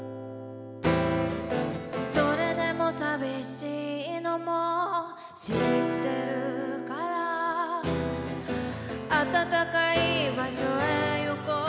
「それでも淋しいのも知ってるからあたたかい場所へ行こうよ」